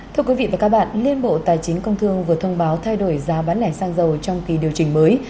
thưa quý vị và các bạn liên bộ tài chính công thương vừa thông báo thay đổi giá bán lẻ xăng dầu trong kỳ điều chỉnh mới